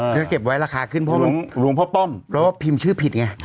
ถ้าเก็บไว้ราคาขึ้นเราก็ว่าพิมพ์ชื่อผิดไง